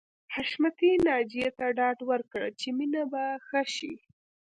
حشمتي ناجیې ته ډاډ ورکړ چې مينه به ښه شي